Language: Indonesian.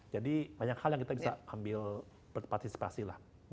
jadi banyak hal yang kita bisa ambil berpartisipasi lah